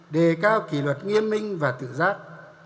đề cao kỷ luật nghiêm minh và tự giác